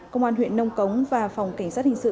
công an huyện nông cống và phòng cảnh sát hình sự